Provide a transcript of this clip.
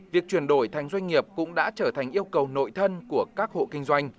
việc chuyển đổi thành doanh nghiệp cũng đã trở thành yêu cầu nội thân của các hộ kinh doanh